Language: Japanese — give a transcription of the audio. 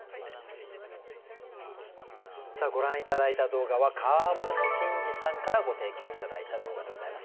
さあご覧頂いた動画は川村伸司さんからご提供頂いた動画でございます。